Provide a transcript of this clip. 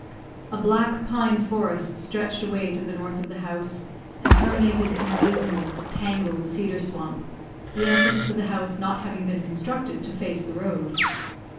A black pine forest stretched away to the north of the house, and terminated in a dismal, tangled cedar swamp, the entrance to the house not having been constructed to face the road.